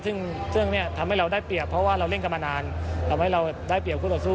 ซึ่งเรื่องนี้ทำให้เราได้เปรียบเพราะว่าเราเล่นกันมานานทำให้เราได้เปรียบคู่ต่อสู้